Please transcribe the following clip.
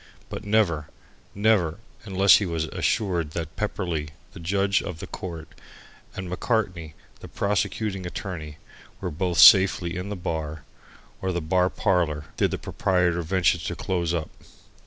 But never, never unless he was assured that Pepperleigh, the judge of the court, and Macartney, the prosecuting attorney, were both safely in the bar, or the bar parlour, did the proprietor venture to close up.